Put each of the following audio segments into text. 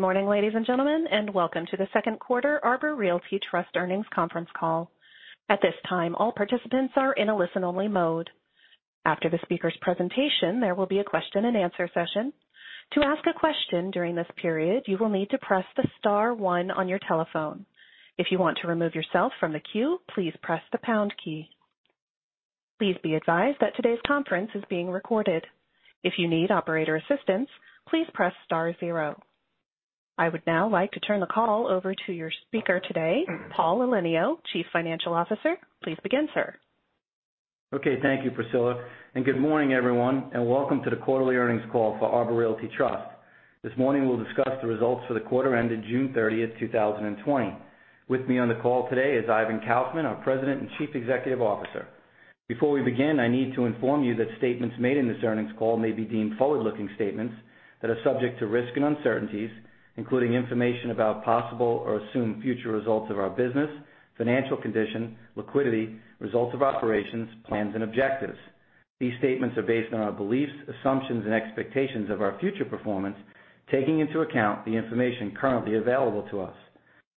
Good morning, ladies and gentlemen, and Welcome to the Second Quarter Arbor Realty Trust Earnings Conference Call. At this time, all participants are in a listen-only mode. After the speaker's presentation, there will be a question-and-answer session. To ask a question during this period, you will need to press the star one on your telephone. If you want to remove yourself from the queue, please press the pound key. Please be advised that today's conference is being recorded. If you need operator assistance, please press star zero. I would now like to turn the call over to your speaker today, Paul Elenio, Chief Financial Officer. Please begin, sir. Okay. Thank you, Priscilla. And good morning, everyone, and welcome to the quarterly earnings call for Arbor Realty Trust. This morning, we'll discuss the results for the quarter ended June 30th, 2020. With me on the call today is Ivan Kaufman, our President and Chief Executive Officer. Before we begin, I need to inform you that statements made in this earnings call may be deemed forward-looking statements that are subject to risk and uncertainties, including information about possible or assumed future results of our business, financial condition, liquidity, results of operations, plans, and objectives. These statements are based on our beliefs, assumptions, and expectations of our future performance, taking into account the information currently available to us.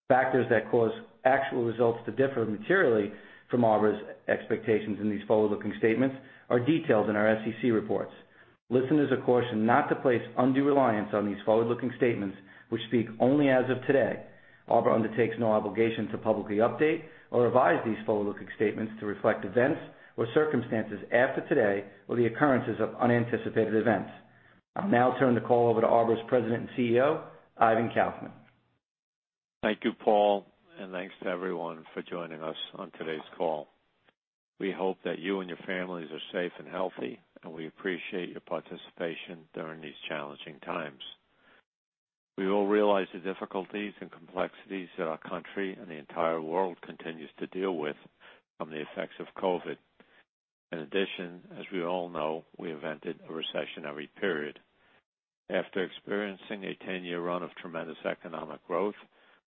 Factors that cause actual results to differ materially from Arbor's expectations in these forward-looking statements are detailed in our SEC reports. Listeners are cautioned not to place undue reliance on these forward-looking statements, which speak only as of today. Arbor undertakes no obligation to publicly update or revise these forward-looking statements to reflect events or circumstances after today or the occurrences of unanticipated events. I'll now turn the call over to Arbor's President and CEO, Ivan Kaufman. Thank you, Paul, and thanks to everyone for joining us on today's call. We hope that you and your families are safe and healthy, and we appreciate your participation during these challenging times. We all realize the difficulties and complexities that our country and the entire world continues to deal with from the effects of COVID. In addition, as we all know, we have entered a recessionary period. After experiencing a 10-year run of tremendous economic growth,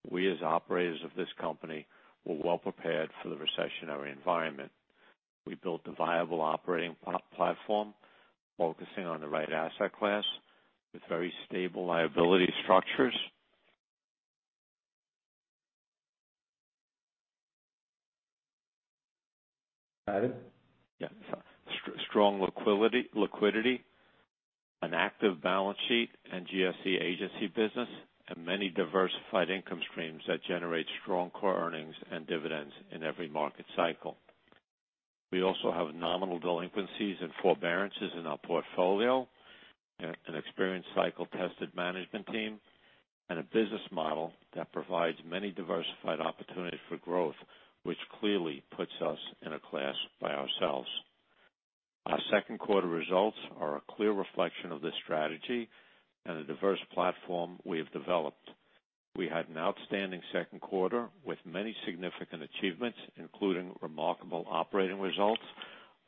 we as operators of this company were well prepared for the recessionary environment. We built a viable operating platform focusing on the right asset class with very stable liability structures. Yeah. Strong liquidity, an active balance sheet and GSE agency business, and many diversified income streams that generate strong core earnings and dividends in every market cycle. We also have nominal delinquencies and forbearances in our portfolio, an experienced cycle-tested management team, and a business model that provides many diversified opportunities for growth, which clearly puts us in a class by ourselves. Our second quarter results are a clear reflection of this strategy and the diverse platform we have developed. We had an outstanding second quarter with many significant achievements, including remarkable operating results,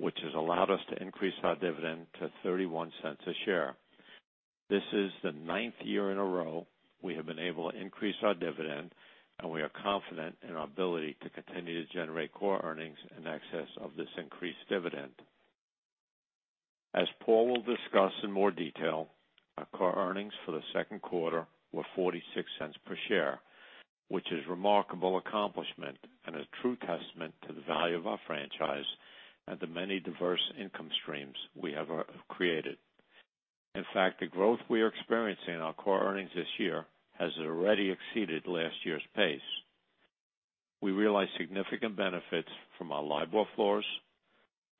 which has allowed us to increase our dividend to $0.31 a share. This is the ninth year in a row we have been able to increase our dividend, and we are confident in our ability to continue to generate core earnings in excess of this increased dividend. As Paul will discuss in more detail, our core earnings for the second quarter were $0.46 per share, which is a remarkable accomplishment and a true testament to the value of our franchise and the many diverse income streams we have created. In fact, the growth we are experiencing in our core earnings this year has already exceeded last year's pace. We realize significant benefits from our LIBOR floors,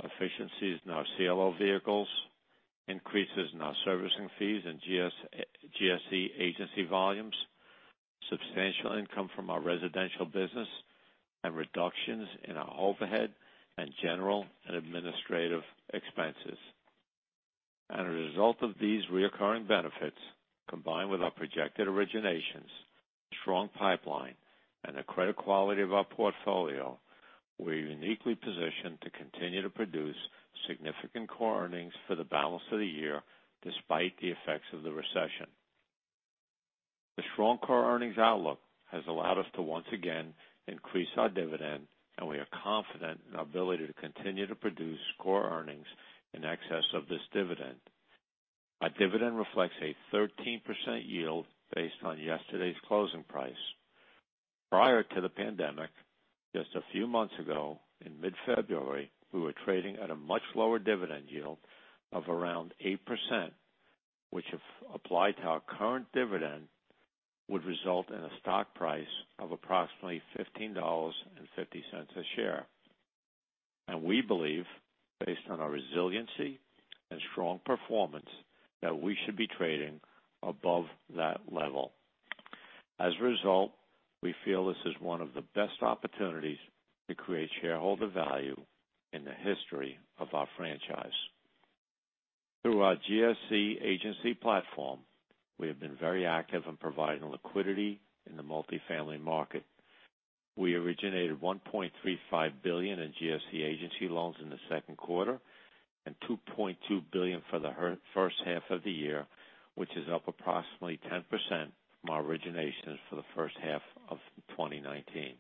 efficiencies in our CLO vehicles, increases in our servicing fees and GSE agency volumes, substantial income from our residential business, and reductions in our overhead and general and administrative expenses. As a result of these recurring benefits, combined with our projected originations, strong pipeline, and the credit quality of our portfolio, we're uniquely positioned to continue to produce significant core earnings for the balance of the year despite the effects of the recession. The strong core earnings outlook has allowed us to once again increase our dividend, and we are confident in our ability to continue to produce core earnings in excess of this dividend. Our dividend reflects a 13% yield based on yesterday's closing price. Prior to the pandemic, just a few months ago, in mid-February, we were trading at a much lower dividend yield of around 8%, which, if applied to our current dividend, would result in a stock price of approximately $15.50 a share, and we believe, based on our resiliency and strong performance, that we should be trading above that level. As a result, we feel this is one of the best opportunities to create shareholder value in the history of our franchise. Through our GSE agency platform, we have been very active in providing liquidity in the multifamily market. We originated $1.35 billion in GSE agency loans in the second quarter and $2.2 billion for the first half of the year, which is up approximately 10% from our originations for the first half of 2019.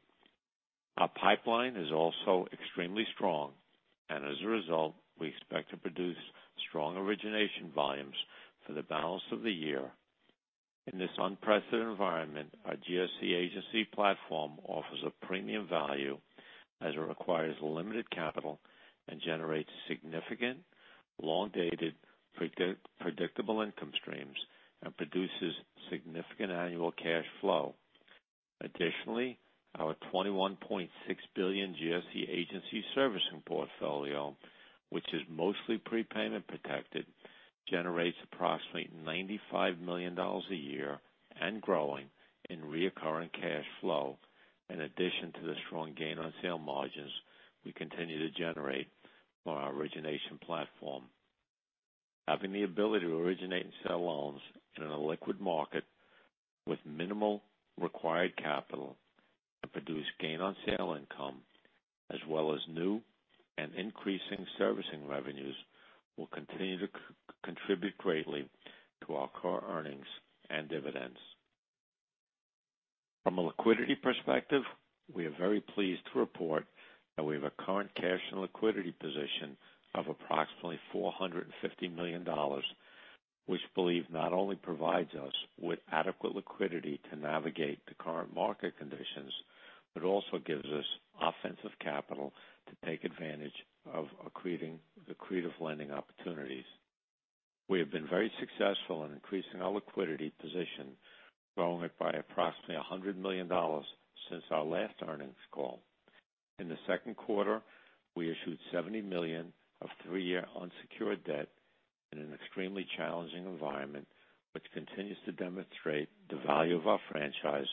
Our pipeline is also extremely strong, and as a result, we expect to produce strong origination volumes for the balance of the year. In this unprecedented environment, our GSE agency platform offers a premium value as it requires limited capital and generates significant, long-dated, predictable income streams and produces significant annual cash flow. Additionally, our $21.6 billion GSE agency servicing portfolio, which is mostly prepayment protected, generates approximately $95 million a year and growing in recurring cash flow. In addition to the strong gain on sale margins, we continue to generate from our origination platform. Having the ability to originate and sell loans in a liquid market with minimal required capital and produce gain on sale income, as well as new and increasing servicing revenues, will continue to contribute greatly to our core earnings and dividends. From a liquidity perspective, we are very pleased to report that we have a current cash and liquidity position of approximately $450 million, which we believe not only provides us with adequate liquidity to navigate the current market conditions, but also gives us offensive capital to take advantage of accretive lending opportunities. We have been very successful in increasing our liquidity position, growing it by approximately $100 million since our last earnings call. In the second quarter, we issued $70 million of three-year unsecured debt in an extremely challenging environment, which continues to demonstrate the value of our franchise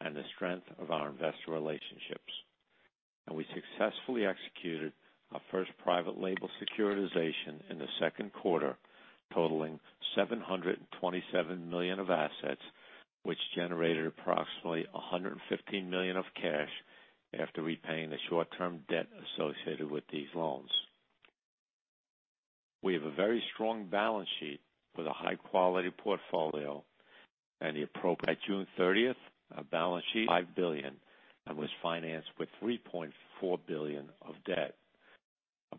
and the strength of our investor relationships. And we successfully executed our first private label securitization in the second quarter, totaling $727 million of assets, which generated approximately $115 million of cash after repaying the short-term debt associated with these loans. We have a very strong balance sheet with a high-quality portfolio and the appropriate. By June 30th, our balance sheet was $5 billion and was financed with $3.4 billion of debt.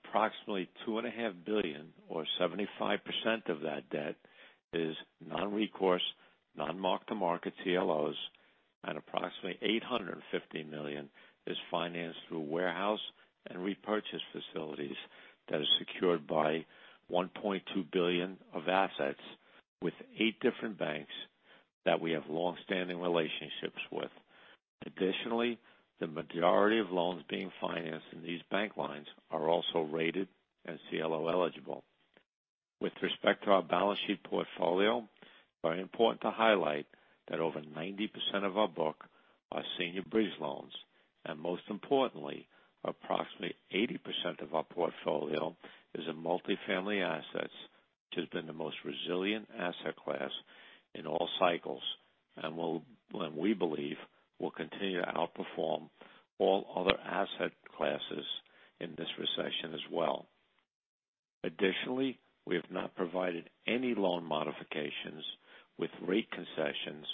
Approximately $2.5 billion, or 75% of that debt, is non-recourse, non-mark-to-market CLOs, and approximately $850 million is financed through warehouse and repurchase facilities that are secured by $1.2 billion of assets with 8 different banks that we have long-standing relationships with. Additionally, the majority of loans being financed in these bank lines are also rated and CLO-eligible. With respect to our balance sheet portfolio, it's very important to highlight that over 90% of our book are senior bridge loans. And most importantly, approximately 80% of our portfolio is in multifamily assets, which has been the most resilient asset class in all cycles and, we believe, will continue to outperform all other asset classes in this recession as well. Additionally, we have not provided any loan modifications with rate concessions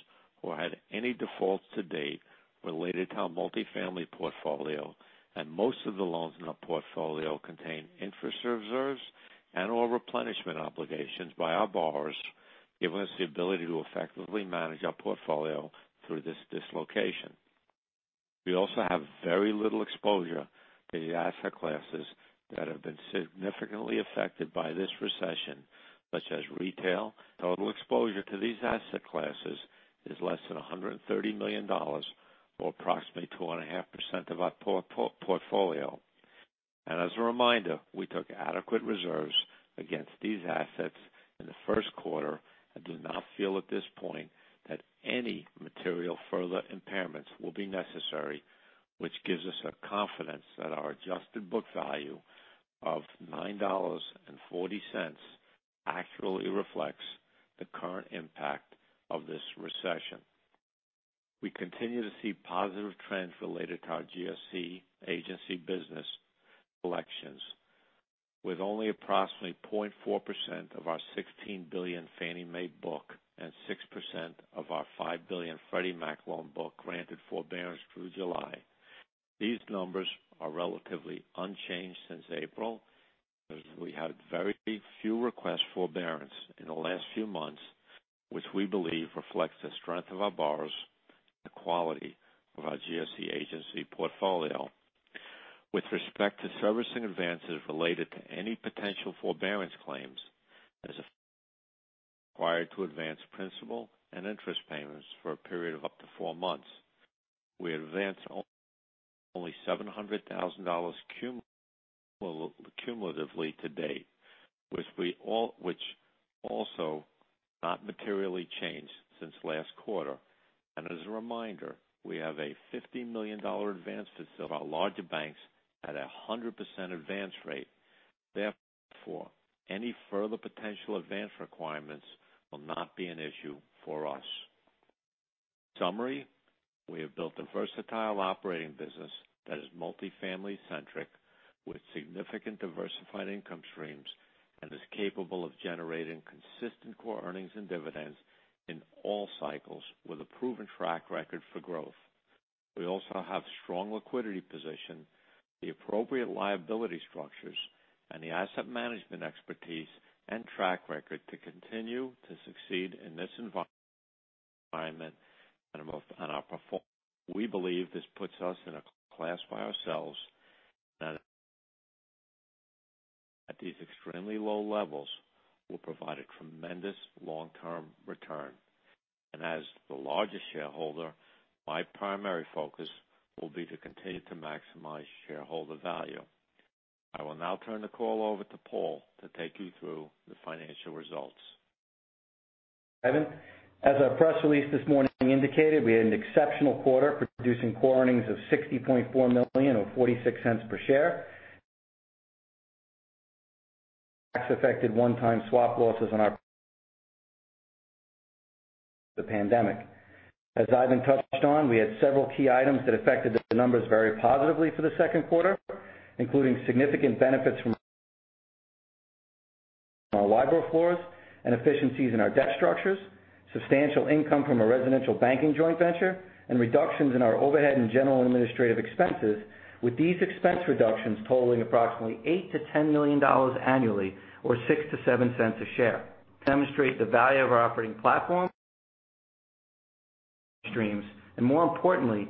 or had any defaults to date related to our multifamily portfolio, and most of the loans in our portfolio contain interest reserves and/or replenishment obligations by our borrowers, giving us the ability to effectively manage our portfolio through this dislocation. We also have very little exposure to the asset classes that have been significantly affected by this recession, such as retail. Total exposure to these asset classes is less than $130 million, or approximately 2.5% of our portfolio. As a reminder, we took adequate reserves against these assets in the first quarter and do not feel at this point that any material further impairments will be necessary, which gives us a confidence that our adjusted book value of $9.40 actually reflects the current impact of this recession. We continue to see positive trends related to our GSE agency business selections. With only approximately 0.4% of our $16 billion Fannie Mae book and 6% of our $5 billion Freddie Mac loan book granted forbearance through July, these numbers are relatively unchanged since April, as we had very few requests for forbearance in the last few months, which we believe reflects the strength of our borrowers and the quality of our GSE agency portfolio. With respect to servicing advances related to any potential forbearance claims, as required to advance principal and interest payments for a period of up to four months, we advance only $700,000 cumulatively to date, which also has not materially changed since last quarter, and as a reminder, we have a $50 million advance facility from our larger banks at a 100% advance rate. Therefore, any further potential advance requirements will not be an issue for us. Summary: we have built a versatile operating business that is multifamily-centric, with significant diversified income streams, and is capable of generating consistent core earnings and dividends in all cycles with a proven track record for growth. We also have a strong liquidity position, the appropriate liability structures, and the asset management expertise and track record to continue to succeed in this environment and our performance. We believe this puts us in a class by ourselves that, at these extremely low levels, will provide a tremendous long-term return. And as the largest shareholder, my primary focus will be to continue to maximize shareholder value. I will now turn the call over to Paul to take you through the financial results. Ivan, as our press release this morning indicated, we had an exceptional quarter producing core earnings of $60.4 million or $0.46 per share, tax-effected one-time swap losses related to the pandemic. As Ivan touched on, we had several key items that affected the numbers very positively for the second quarter, including significant benefits from our LIBOR floors and efficiencies in our debt structures, substantial income from a residential banking joint venture, and reductions in our overhead and general administrative expenses, with these expense reductions totaling approximately $8-$10 million annually, or $0.06-$0.07 a share. This demonstrates the value of our operating platform, streams, and more importantly,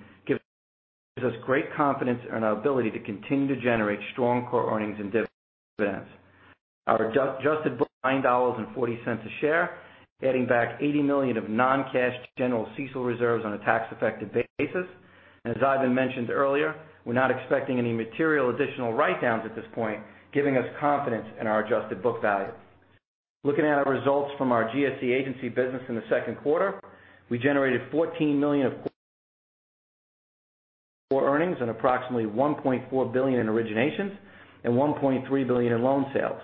gives us great confidence in our ability to continue to generate strong core earnings and dividends. Our adjusted book is $9.40 a share, adding back $80 million of non-cash CECL reserves on a tax-effected basis. And as Ivan mentioned earlier, we're not expecting any material additional write-downs at this point, giving us confidence in our adjusted book value. Looking at our results from our GSE agency business in the second quarter, we generated $14 million of core earnings and approximately $1.4 billion in originations and $1.3 billion in loan sales.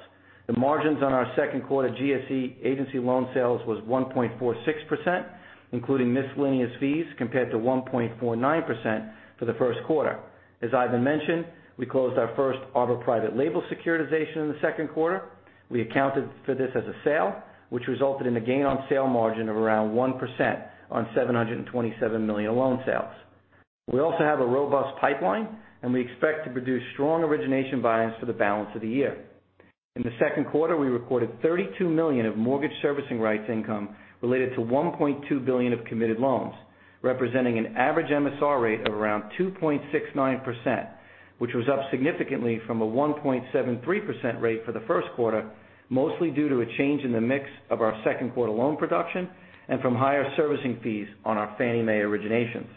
The margins on our second quarter GSE agency loan sales was 1.46%, including miscellaneous fees, compared to 1.49% for the first quarter. As Ivan mentioned, we closed our first Arbor Private Label Securitization in the second quarter. We accounted for this as a sale, which resulted in a gain on sale margin of around 1% on $727 million loan sales. We also have a robust pipeline, and we expect to produce strong origination buyers for the balance of the year. In the second quarter, we recorded $32 million of mortgage servicing rights income related to $1.2 billion of committed loans, representing an average MSR rate of around 2.69%, which was up significantly from a 1.73% rate for the first quarter, mostly due to a change in the mix of our second quarter loan production and from higher servicing fees on our Fannie Mae originations.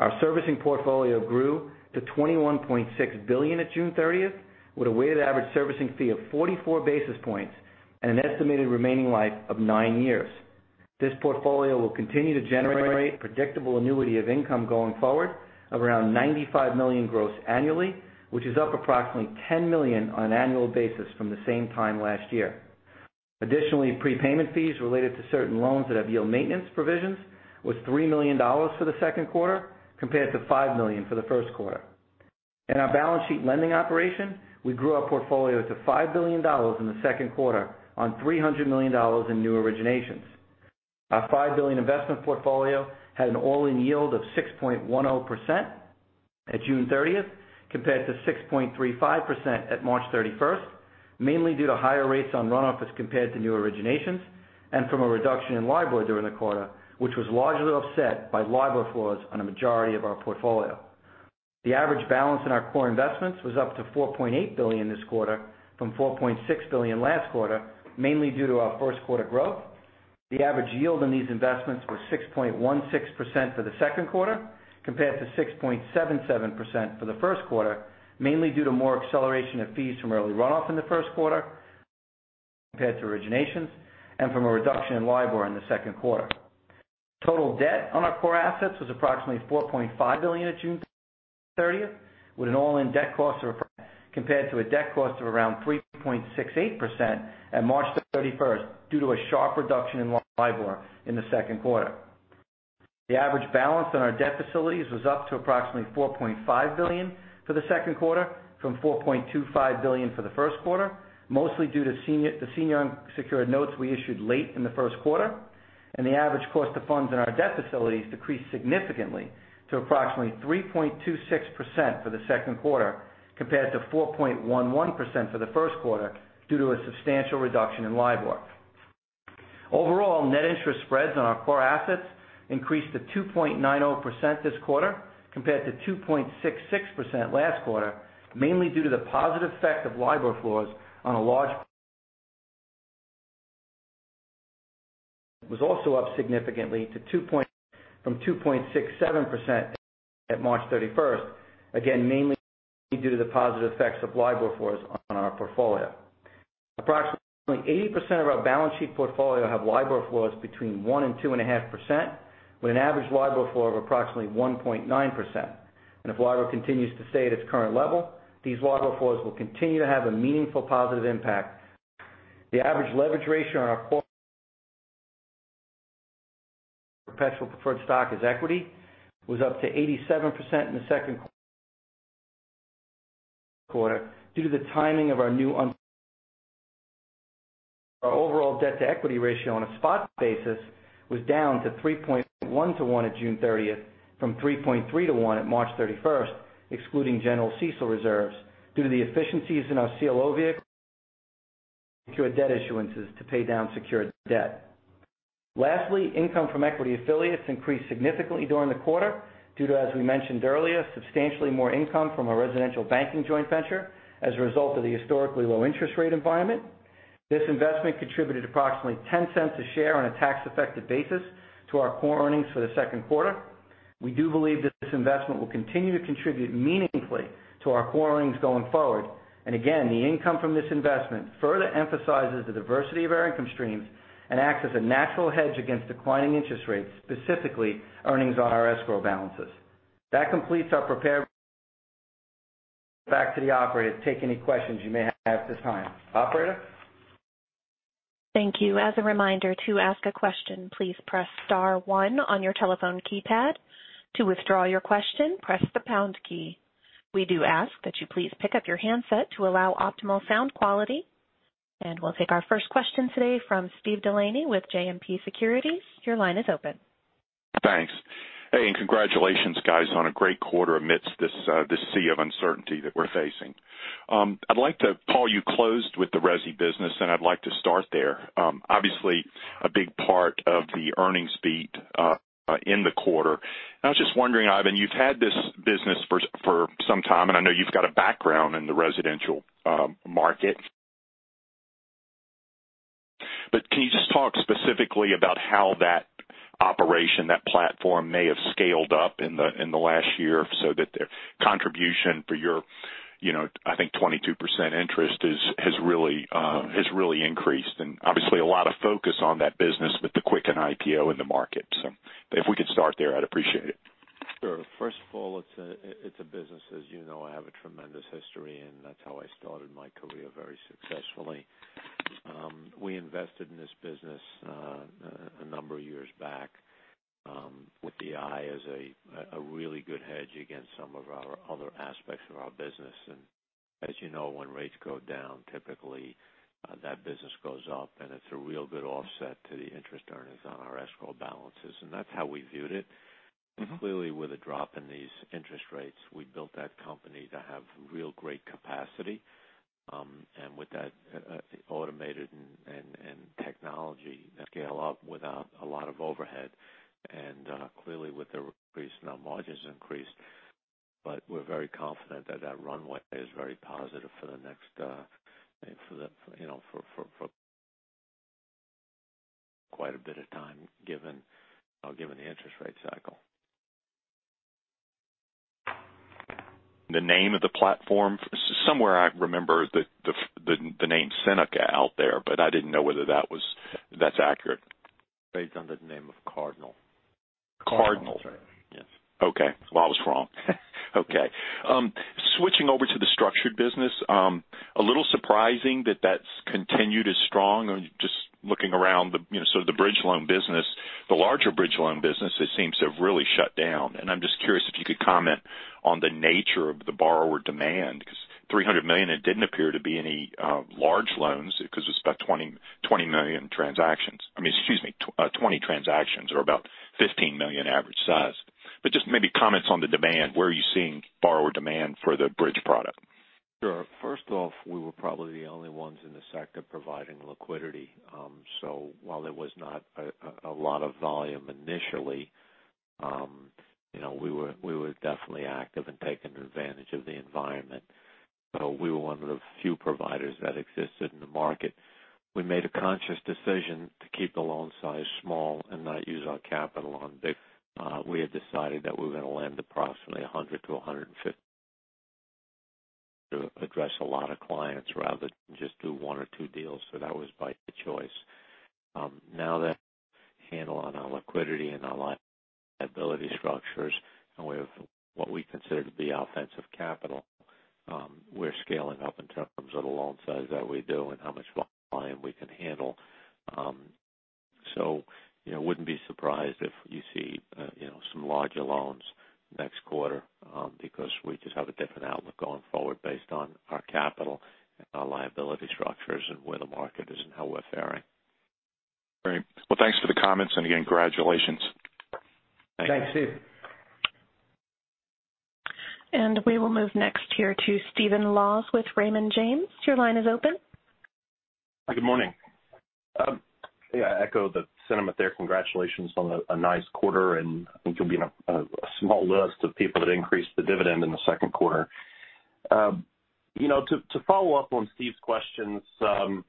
Our servicing portfolio grew to $21.6 billion at June 30th, with a weighted average servicing fee of 44 basis points and an estimated remaining life of nine years. This portfolio will continue to generate predictable annuity of income going forward of around $95 million gross annually, which is up approximately $10 million on an annual basis from the same time last year. Additionally, prepayment fees related to certain loans that have yield maintenance provisions was $3 million for the second quarter, compared to $5 million for the first quarter. In our balance sheet lending operation, we grew our portfolio to $5 billion in the second quarter on $300 million in new originations. Our $5 billion investment portfolio had an all-in yield of 6.10% at June 30th, compared to 6.35% at March 31st, mainly due to higher rates on runoff as compared to new originations and from a reduction in LIBOR during the quarter, which was largely offset by LIBOR floors on a majority of our portfolio. The average balance in our core investments was up to $4.8 billion this quarter from $4.6 billion last quarter, mainly due to our first quarter growth. The average yield on these investments was 6.16% for the second quarter, compared to 6.77% for the first quarter, mainly due to more acceleration of fees from early runoff in the first quarter compared to originations and from a reduction in LIBOR in the second quarter. Total debt on our core assets was approximately $4.5 billion at June 30th, with an all-in debt cost of compared to a debt cost of around 3.68% at March 31st due to a sharp reduction in LIBOR in the second quarter. The average balance on our debt facilities was up to approximately $4.5 billion for the second quarter from $4.25 billion for the first quarter, mostly due to the senior unsecured notes we issued late in the first quarter. The average cost of funds in our debt facilities decreased significantly to approximately 3.26% for the second quarter, compared to 4.11% for the first quarter due to a substantial reduction in LIBOR. Overall, net interest spreads on our core assets increased to 2.90% this quarter, compared to 2.66% last quarter, mainly due to the positive effect of LIBOR floors. Our leverage was also up significantly from 2.67% at March 31st, again, mainly due to the positive effects of LIBOR floors on our portfolio. Approximately 80% of our balance sheet portfolio have LIBOR floors between 1%-2.5%, with an average LIBOR floor of approximately 1.9%. If LIBOR continues to stay at its current level, these LIBOR floors will continue to have a meaningful positive impact. The average leverage ratio on our perpetual preferred stock as equity was up to 87% in the second quarter due to the timing of our new overall debt to equity ratio. On a spot basis, it was down to 3.1 to 1 at June 30th from 3.3 to 1 at March 31st, excluding CECL reserves due to the efficiencies in our CLO vehicle secured debt issuances to pay down secured debt. Lastly, income from equity affiliates increased significantly during the quarter due to, as we mentioned earlier, substantially more income from a residential banking joint venture as a result of the historically low interest rate environment. This investment contributed approximately $0.10 a share on a tax-effected basis to our core earnings for the second quarter. We do believe that this investment will continue to contribute meaningfully to our core earnings going forward. Again, the income from this investment further emphasizes the diversity of our income streams and acts as a natural hedge against declining interest rates, specifically earnings on our escrow balances. That completes our prepared remarks. Back to the operator to take any questions you may have at this time. Operator. Thank you. As a reminder, to ask a question, please press star one on your telephone keypad. To withdraw your question, press the pound key. We do ask that you please pick up your handset to allow optimal sound quality, and we'll take our first question today from Steve Delaney with JMP Securities. Your line is open. Thanks. Hey, and congratulations, guys, on a great quarter amidst this sea of uncertainty that we're facing. I'd like to, Paul, you closed with the Resi business, and I'd like to start there. Obviously, a big part of the earnings beat in the quarter. I was just wondering, Ivan, you've had this business for some time, and I know you've got a background in the residential market. But can you just talk specifically about how that operation, that platform, may have scaled up in the last year so that their contribution for your, I think, 22% interest has really increased? And obviously, a lot of focus on that business with the Quicken IPO in the market. So if we could start there, I'd appreciate it. Sure. First of all, it's a business, as you know. I have a tremendous history, and that's how I started my career very successfully. We invested in this business a number of years back with the idea as a really good hedge against some of our other aspects of our business. And as you know, when rates go down, typically that business goes up, and it's a real good offset to the interest earnings on our escrow balances. And that's how we viewed it. Clearly, with a drop in these interest rates, we built that company to have real great capacity. And with that automation and technology, scale up without a lot of overhead. And clearly, with the increase, now margins increased. But we're very confident that that runway is very positive for the next for quite a bit of time, given the interest rate cycle. The name of the platform, somewhere I remember the name Seneca out there, but I didn't know whether that was accurate. Based on the name of Cardinal. Cardinal. Yes. Okay. I was wrong. Okay. Switching over to the structured business, a little surprising that that's continued as strong. Just looking around sort of the bridge loan business, the larger bridge loan business, it seems to have really shut down. I'm just curious if you could comment on the nature of the borrower demand because $300 million, it didn't appear to be any large loans because it was about 20 million transactions. I mean, excuse me, 20 transactions or about $15 million average size. But just maybe comments on the demand, where are you seeing borrower demand for the bridge product? Sure. First off, we were probably the only ones in the sector providing liquidity. So while there was not a lot of volume initially, we were definitely active and taking advantage of the environment. So we were one of the few providers that existed in the market. We made a conscious decision to keep the loan size small and not use our capital on. We had decided that we were going to lend approximately 100-150 to address a lot of clients rather than just do one or two deals. So that was by choice. Now that we have a handle on our liquidity and our liability structures, and we have what we consider to be offensive capital, we're scaling up in terms of the loan size that we do and how much volume we can handle. So I wouldn't be surprised if you see some larger loans next quarter because we just have a different outlook going forward based on our capital and our liability structures and where the market is and how we're faring. Great. Well, thanks for the comments, and again, congratulations. Thanks. Thanks, Steve. We will move next here to Stephen Laws with Raymond James. Your line is open. Good morning. Yeah, I echo the sentiment there. Congratulations on a nice quarter, and I think you'll be in a small list of people that increased the dividend in the second quarter. To follow up on Steve's questions on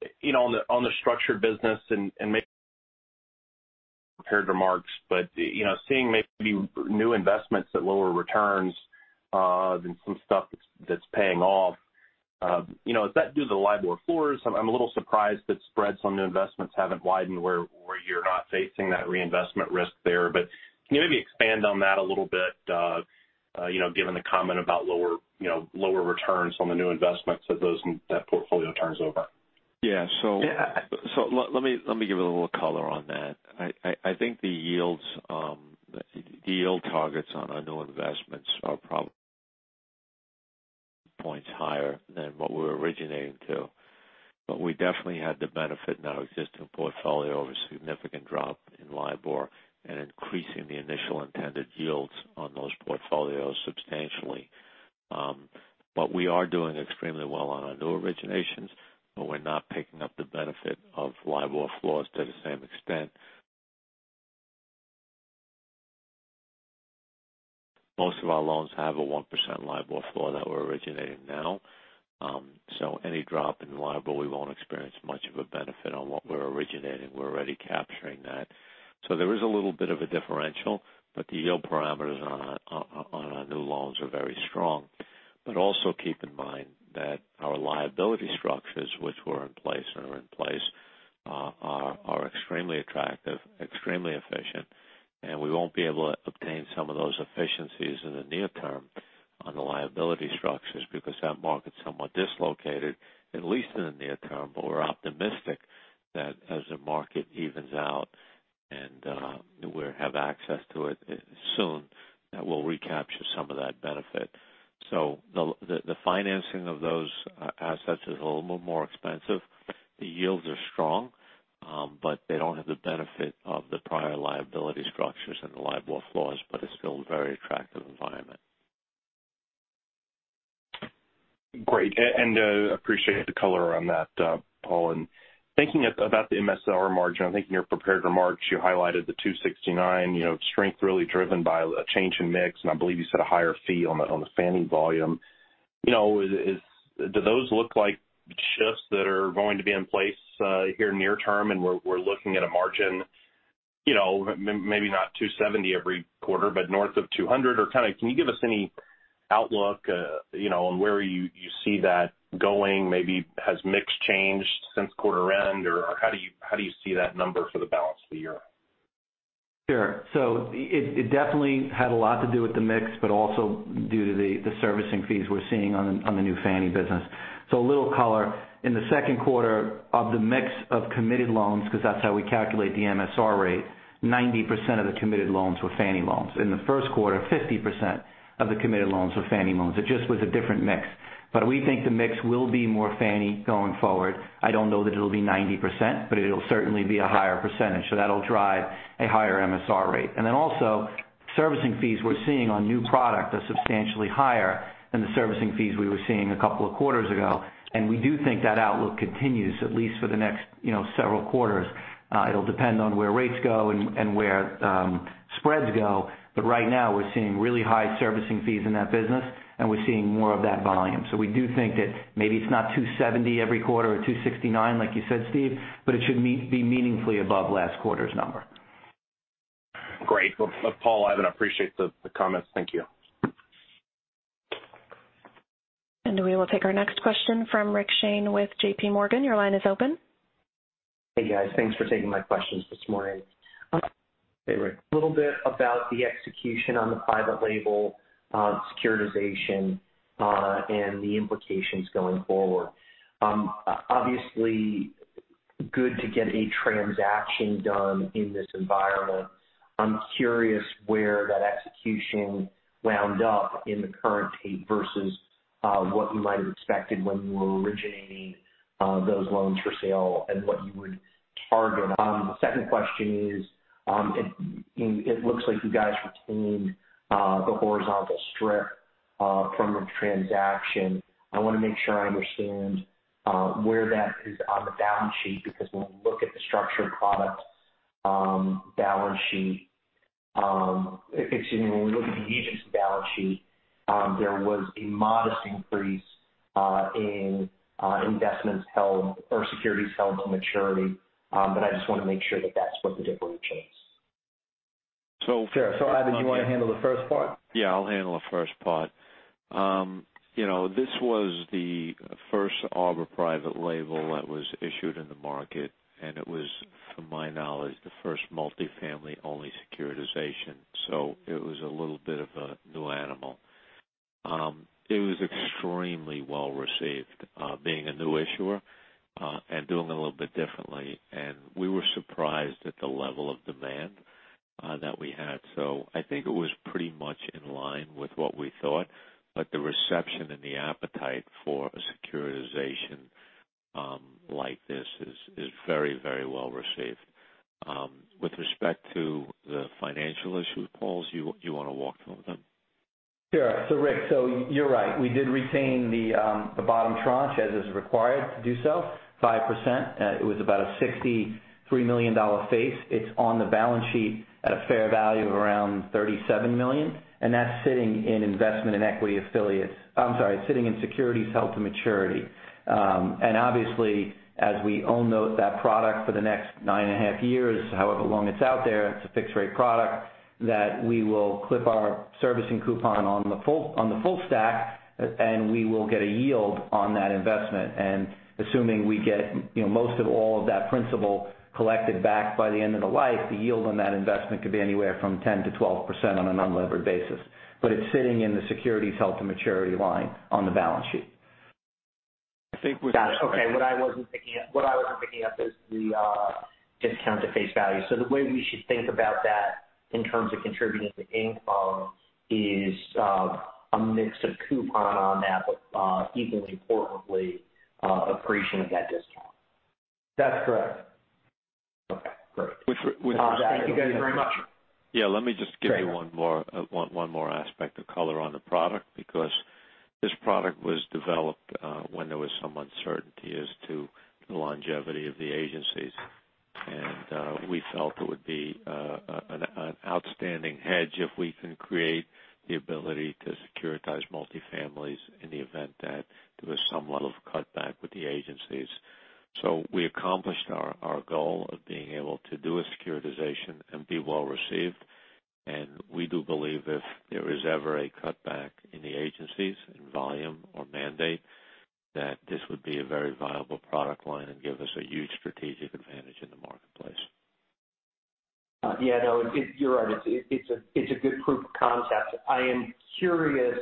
the structured business and maybe prepared remarks, but seeing maybe new investments at lower returns and some stuff that's paying off, does that do the LIBOR floors? I'm a little surprised that spreads on new investments haven't widened where you're not facing that reinvestment risk there. But can you maybe expand on that a little bit given the comment about lower returns on the new investments as that portfolio turns over? Yeah. So let me give you a little color on that. I think the yield targets on our new investments are probably points higher than what we were originating to. But we definitely had the benefit in our existing portfolio of a significant drop in LIBOR and increasing the initial intended yields on those portfolios substantially. But we are doing extremely well on our new originations, but we're not picking up the benefit of LIBOR floors to the same extent. Most of our loans have a 1% LIBOR floor that we're originating now. So any drop in LIBOR, we won't experience much of a benefit on what we're originating. We're already capturing that. So there is a little bit of a differential, but the yield parameters on our new loans are very strong. But also keep in mind that our liability structures, which were in place and are in place, are extremely attractive, extremely efficient. And we won't be able to obtain some of those efficiencies in the near term on the liability structures because that market's somewhat dislocated, at least in the near term. But we're optimistic that as the market evens out and we have access to it soon, that we'll recapture some of that benefit. So the financing of those assets is a little more expensive. The yields are strong, but they don't have the benefit of the prior liability structures and the LIBOR floors, but it's still a very attractive environment. Great. And I appreciate the color on that, Paul. And thinking about the MSR margin, in your prepared remarks, you highlighted the 269 strength really driven by a change in mix. And I believe you said a higher fee on the Fannie volume. Do those look like shifts that are going to be in place here near term? And we're looking at a margin maybe not 270 every quarter, but north of 200. Or kind of can you give us any outlook on where you see that going? Maybe has mix changed since quarter end, or how do you see that number for the balance of the year? Sure. So it definitely had a lot to do with the mix, but also due to the servicing fees we're seeing on the new Fannie business. So a little color in the second quarter of the mix of committed loans, because that's how we calculate the MSR rate. 90% of the committed loans were Fannie loans. In the first quarter, 50% of the committed loans were Fannie loans. It just was a different mix. But we think the mix will be more Fannie going forward. I don't know that it'll be 90%, but it'll certainly be a higher percentage. So that'll drive a higher MSR rate. And then also, servicing fees we're seeing on new product are substantially higher than the servicing fees we were seeing a couple of quarters ago. And we do think that outlook continues, at least for the next several quarters. It'll depend on where rates go and where spreads go. But right now, we're seeing really high servicing fees in that business, and we're seeing more of that volume. So we do think that maybe it's not 270 every quarter or 269, like you said, Steve, but it should be meaningfully above last quarter's number. Great. Paul, Ivan, I appreciate the comments. Thank you. We will take our next question from Rick Shane with J.P. Morgan. Your line is open. Hey, guys. Thanks for taking my questions this morning. A little bit about the execution on the private label securitization and the implications going forward. Obviously, good to get a transaction done in this environment. I'm curious where that execution wound up in the current state versus what you might have expected when you were originating those loans for sale and what you would target. The second question is, it looks like you guys retained the horizontal strip from the transaction. I want to make sure I understand where that is on the balance sheet because when we look at the structured product balance sheet, excuse me, when we look at the agency balance sheet, there was a modest increase in investments held or securities held to maturity. But I just want to make sure that that's what the differential is. Sure. Ivan, you want to handle the first part? Yeah, I'll handle the first part. This was the first Arbor private label that was issued in the market, and it was, to my knowledge, the first multifamily-only securitization. So it was a little bit of a new animal. It was extremely well-received, being a new issuer and doing a little bit differently. And we were surprised at the level of demand that we had. So I think it was pretty much in line with what we thought. But the reception and the appetite for a securitization like this is very, very well-received. With respect to the financial issues, Paul, you want to walk through them? Sure, so Rick, so you're right. We did retain the bottom tranche as is required to do so, 5%. It was about a $63 million face. It's on the balance sheet at a fair value of around $37 million. And that's sitting in investments in equity affiliates. I'm sorry, it's sitting in securities held to maturity. And obviously, as we own that product for the next nine and a half years, however long it's out there, it's a fixed-rate product that we will clip our servicing coupon on the full stack, and we will get a yield on that investment. And assuming we get most of all of that principal collected back by the end of the life, the yield on that investment could be anywhere from 10%-12% on an unlevered basis. But it's sitting in the securities held to maturity line on the balance sheet. I think we've got. Okay. What I wasn't picking up is the discount to face value. So the way we should think about that in terms of contributing to income is a mix of coupon on that, but equally importantly, appreciation of that discount. That's correct. Okay. Great. Thank you guys very much. Yeah. Let me just give you one more aspect of color on the product because this product was developed when there was some uncertainty as to the longevity of the agencies. And we felt it would be an outstanding hedge if we can create the ability to securitize multifamilies in the event that there was some level of cutback with the agencies. So we accomplished our goal of being able to do a securitization and be well-received. And we do believe if there is ever a cutback in the agencies in volume or mandate, that this would be a very viable product line and give us a huge strategic advantage in the marketplace. Yeah. No, you're right. It's a good proof of concept. I am curious,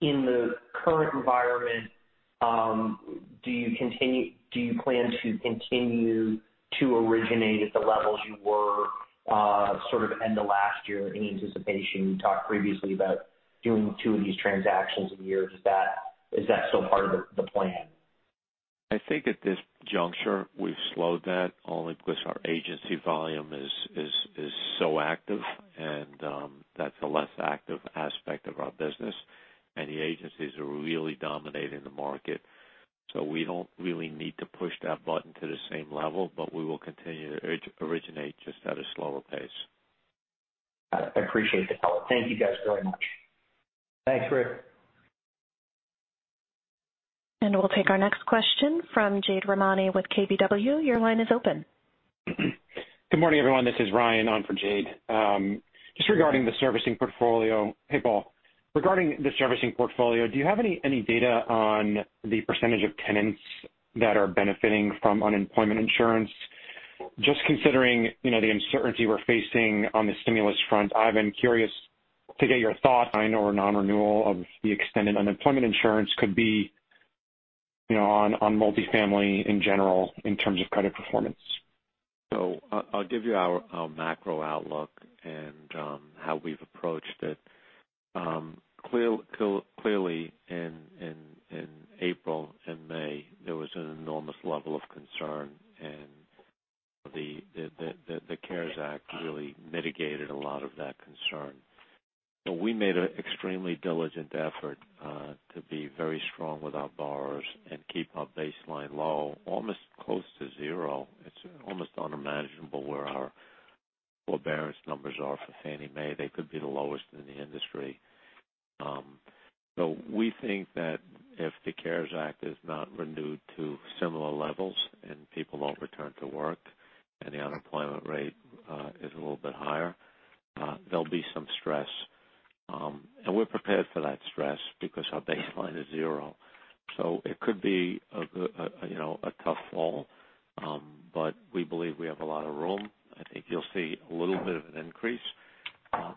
in the current environment, do you plan to continue to originate at the levels you were sort of end of last year in anticipation? You talked previously about doing two of these transactions a year. Is that still part of the plan? I think at this juncture, we've slowed that only because our agency volume is so active, and that's a less active aspect of our business, and the agencies are really dominating the market, so we don't really need to push that button to the same level, but we will continue to originate just at a slower pace. I appreciate the color. Thank you guys very much. Thanks, Rick. And we'll take our next question from Jade Rahmani with KBW. Your line is open. Good morning, everyone. This is Ryan on for Jade. Just regarding the servicing portfolio, hey, Paul. Do you have any data on the percentage of tenants that are benefiting from unemployment insurance? Just considering the uncertainty we're facing on the stimulus front, I've been curious to get your thoughts. Or non-renewal of the extended unemployment insurance could be on multifamily in general in terms of credit performance? So I'll give you our macro outlook and how we've approached it. Clearly, in April and May, there was an enormous level of concern, and the CARES Act really mitigated a lot of that concern. But we made an extremely diligent effort to be very strong with our borrowers and keep our baseline low, almost close to zero. It's almost unimaginable where our forbearance numbers are for Fannie Mae. They could be the lowest in the industry. So we think that if the CARES Act is not renewed to similar levels and people don't return to work and the unemployment rate is a little bit higher, there'll be some stress. And we're prepared for that stress because our baseline is zero. So it could be a tough fall, but we believe we have a lot of room. I think you'll see a little bit of an increase.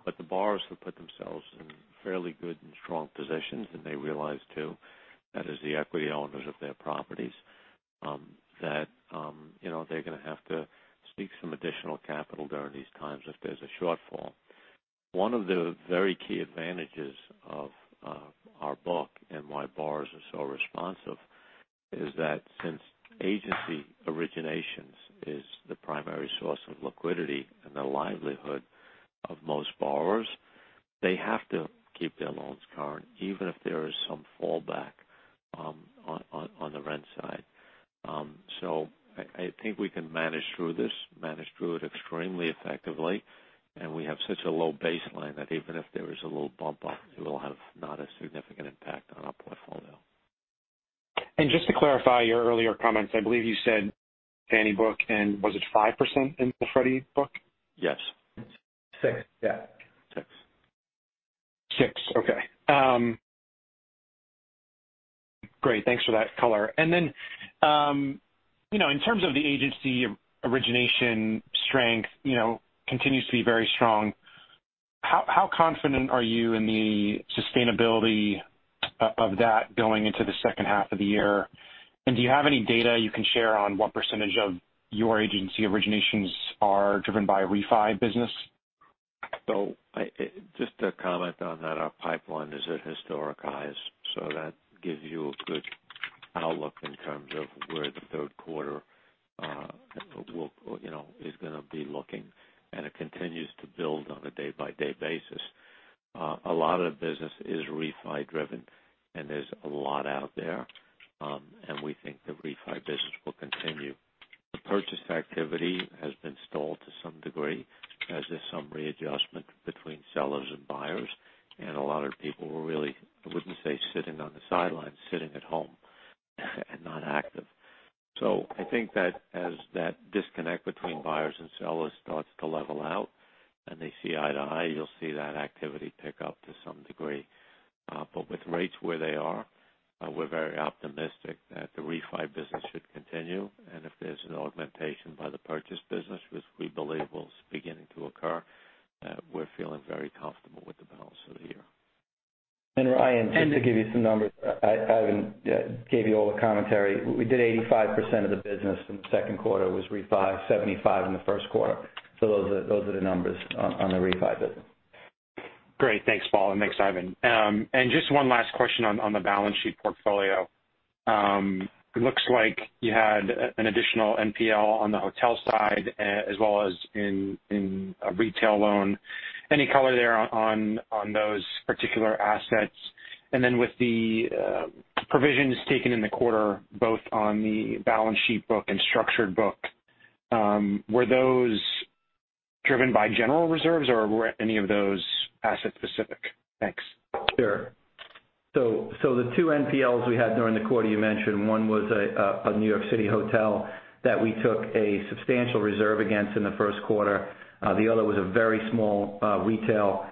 But the borrowers have put themselves in fairly good and strong positions, and they realize too, as the equity owners of their properties, that they're going to have to seek some additional capital during these times if there's a shortfall. One of the very key advantages of our book and why borrowers are so responsive is that since agency originations is the primary source of liquidity and the livelihood of most borrowers, they have to keep their loans current even if there is some fallback on the rent side. So I think we can manage through this, manage through it extremely effectively. And we have such a low baseline that even if there is a little bump up, it will have not a significant impact on our portfolio. Just to clarify your earlier comments, I believe you said Fannie Book, and was it 5% in the Freddie Book? Yes. Six. Yeah. Six. Six. Okay. Great. Thanks for that color. And then in terms of the agency origination strength continues to be very strong. How confident are you in the sustainability of that going into the second half of the year? And do you have any data you can share on what percentage of your agency originations are driven by a refi business? So just a comment on that. Our pipeline is at historic highs. So that gives you a good outlook in terms of where the third quarter is going to be looking. And it continues to build on a day-by-day basis. A lot of the business is refi-driven, and there's a lot out there. And we think the refi business will continue. The purchase activity has been stalled to some degree as there's some readjustment between sellers and buyers. And a lot of people were really, I wouldn't say sitting on the sidelines, sitting at home and not active. So I think that as that disconnect between buyers and sellers starts to level out and they see eye to eye, you'll see that activity pick up to some degree. But with rates where they are, we're very optimistic that the refi business should continue. If there's an augmentation by the purchase business, which we believe will be beginning to occur, we're feeling very comfortable with the balance of the year. And, Ryan, just to give you some numbers, Ivan gave you all the commentary. We did 85% of the business in the second quarter was refi. 75% in the first quarter. So those are the numbers on the refi business. Great. Thanks, Paul. And thanks, Ivan. And just one last question on the balance sheet portfolio. It looks like you had an additional NPL on the hotel side as well as in a retail loan. Any color there on those particular assets? And then with the provisions taken in the quarter, both on the balance sheet book and structured book, were those driven by general reserves or were any of those asset-specific? Thanks. Sure. So the two NPLs we had during the quarter you mentioned, one was a New York City hotel that we took a substantial reserve against in the first quarter. The other was a very small retail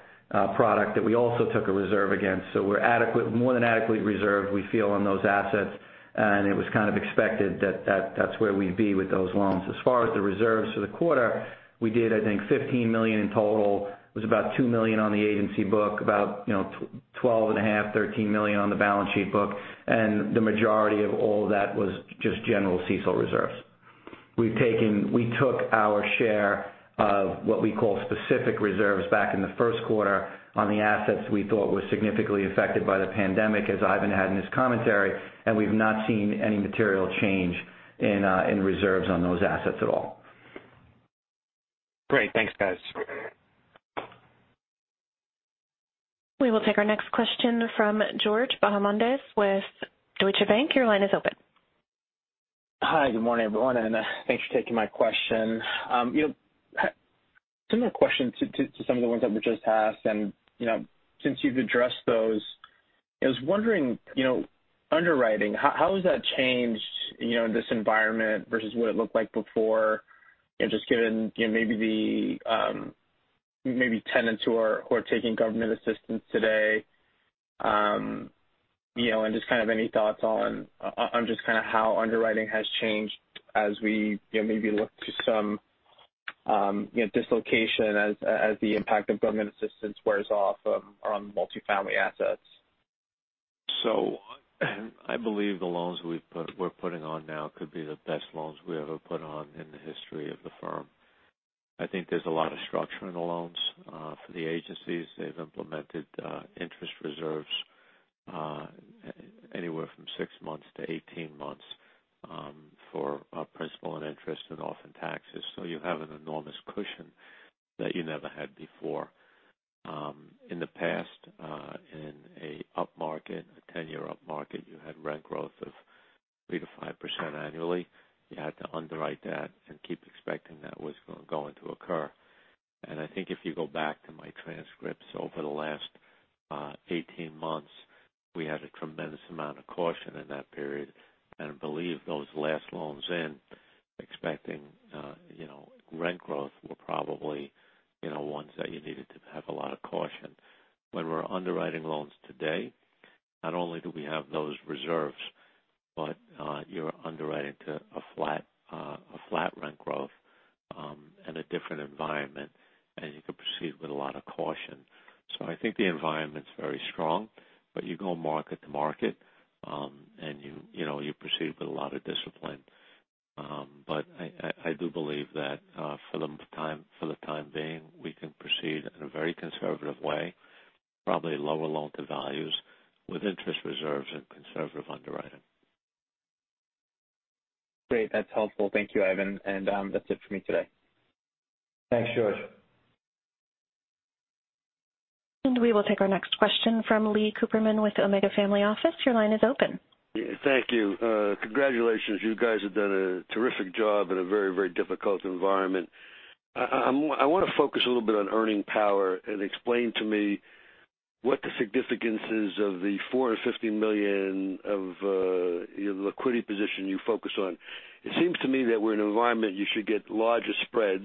product that we also took a reserve against. So we're more than adequately reserved, we feel, on those assets. And it was kind of expected that that's where we'd be with those loans. As far as the reserves for the quarter, we did, I think, $15 million in total. It was about $2 million on the agency book, about $12.5-$13 million on the balance sheet book. And the majority of all of that was just general CECL reserves. We took our share of what we call specific reserves back in the first quarter on the assets we thought were significantly affected by the pandemic, as Ivan had in his commentary, and we've not seen any material change in reserves on those assets at all. Great. Thanks, guys. We will take our next question from George Bahamondes with Deutsche Bank. Your line is open. Hi. Good morning, everyone. Thanks for taking my question. Similar question to some of the ones that were just asked. Since you've addressed those, I was wondering, underwriting, how has that changed in this environment versus what it looked like before, just given maybe the tenants who are taking government assistance today? Just kind of any thoughts on just kind of how underwriting has changed as we maybe look to some dislocation as the impact of government assistance wears off on multifamily assets? So I believe the loans we're putting on now could be the best loans we ever put on in the history of the firm. I think there's a lot of structure in the loans for the agencies. They've implemented interest reserves anywhere from six months to 18 months for principal and interest and often taxes. So you have an enormous cushion that you never had before. In the past, in an upmarket, a 10-year upmarket, you had rent growth of 3%-5% annually. You had to underwrite that and keep expecting that was going to occur. And I think if you go back to my transcripts over the last 18 months, we had a tremendous amount of caution in that period. And I believe those last loans in expecting rent growth were probably ones that you needed to have a lot of caution. When we're underwriting loans today, not only do we have those reserves, but you're underwriting to a flat rent growth and a different environment, and you can proceed with a lot of caution, so I think the environment's very strong, but you go mark-to-market, and you proceed with a lot of discipline, but I do believe that for the time being, we can proceed in a very conservative way, probably lower loan-to-values with interest reserves and conservative underwriting. Great. That's helpful. Thank you, Ivan, and that's it for me today. Thanks, George. We will take our next question from Lee Cooperman with Omega Family Office. Your line is open. Thank you. Congratulations. You guys have done a terrific job in a very, very difficult environment. I want to focus a little bit on earning power and explain to me what the significance is of the $450 million of your liquidity position you focus on. It seems to me that we're in an environment you should get larger spreads.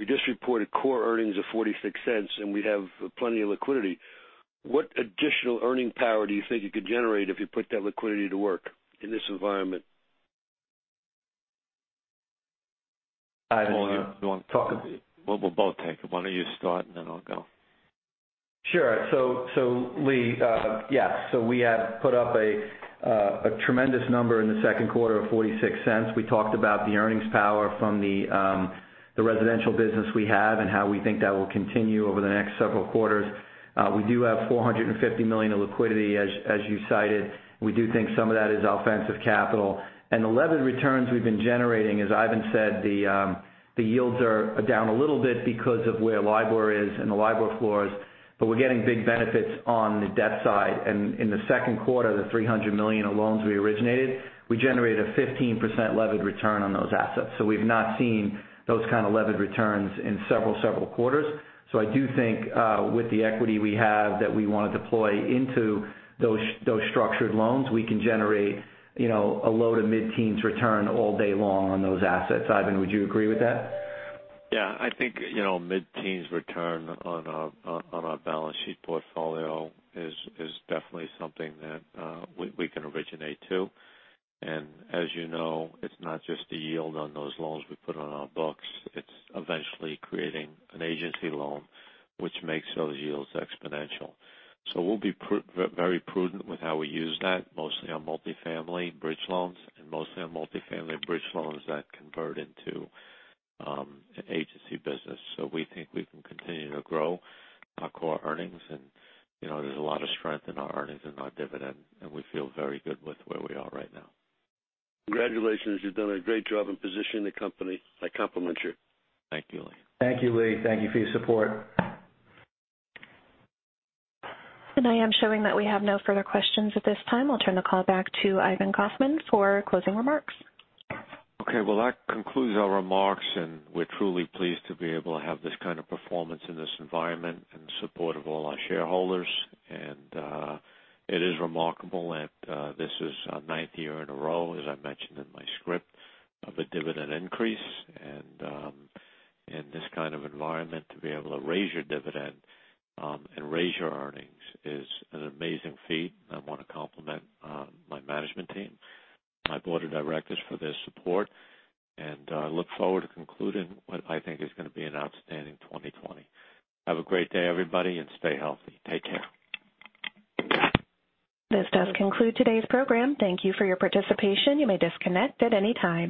We just reported core earnings of $0.46, and we have plenty of liquidity. What additional earning power do you think it could generate if you put that liquidity to work in this environment? Ivan, do you want to talk? We'll both take it. Why don't you start, and then I'll go? Sure. So Lee, yeah. So we have put up a tremendous number in the second quarter of $0.46. We talked about the earnings power from the residential business we have and how we think that will continue over the next several quarters. We do have $450 million of liquidity, as you cited. We do think some of that is offensive capital. And the levered returns we've been generating, as Ivan said, the yields are down a little bit because of where LIBOR is and the LIBOR floors. But we're getting big benefits on the debt side. And in the second quarter, the $300 million of loans we originated, we generated a 15% levered return on those assets. So we've not seen those kind of levered returns in several, several quarters. So I do think with the equity we have that we want to deploy into those structured loans, we can generate a low to mid-teens return all day long on those assets. Ivan, would you agree with that? Yeah. I think mid-teens return on our balance sheet portfolio is definitely something that we can originate to. And as you know, it's not just the yield on those loans we put on our books. It's eventually creating an agency loan, which makes those yields exponential. So we'll be very prudent with how we use that, mostly on multifamily bridge loans and mostly on multifamily bridge loans that convert into agency business. So we think we can continue to grow our Core Earnings. And there's a lot of strength in our earnings and our dividend. And we feel very good with where we are right now. Congratulations. You've done a great job in positioning the company. I compliment you. Thank you, Lee. Thank you, Lee. Thank you for your support. I am showing that we have no further questions at this time. I'll turn the call back to Ivan Kaufman for closing remarks. Okay. Well, that concludes our remarks. And we're truly pleased to be able to have this kind of performance in this environment in support of all our shareholders. And it is remarkable that this is our ninth year in a row, as I mentioned in my script, of a dividend increase. And in this kind of environment, to be able to raise your dividend and raise your earnings is an amazing feat. And I want to compliment my management team, my board of directors for their support. And I look forward to concluding what I think is going to be an outstanding 2020. Have a great day, everybody, and stay healthy. Take care. This does conclude today's program. Thank you for your participation. You may disconnect at any time.